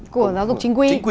của giáo dục chính quy